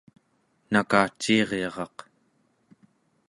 nakaciiryaraq